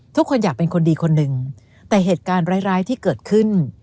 ทุกคนอยากเป็นคนดีคนหนึ่งแต่เหตุการณ์ร้ายที่เกิดขึ้น